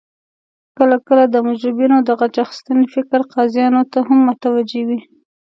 کله کله د مجرمینو د غچ اخستنې فکر قاضیانو ته هم متوجه وي